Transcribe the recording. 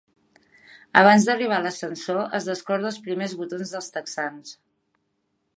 Abans d'arribar a l'ascensor es descorda els primers botons dels texans.